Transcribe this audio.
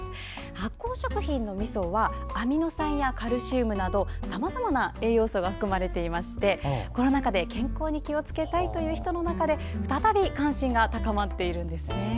発酵食品のみそはアミノ酸やカルシウムなどさまざま栄養素が含まれていてコロナ禍で健康に気を付けたいという人の中で再び関心が高まっているんです。